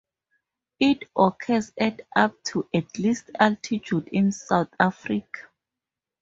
It occurs at up to at least altitude in South Africa.